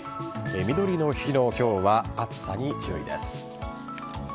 みどりの日の今日は暑さに注意です。